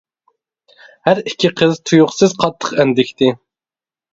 ھەر ئىككى قىز تۇيۇقسىز قاتتىق ئەندىكتى.